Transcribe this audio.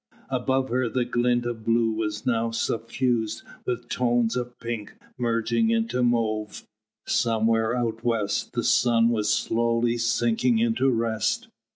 Above her the glint of blue was now suffused with tones of pink merging into mauve; somewhere out west the sun was slowly sinking into rest.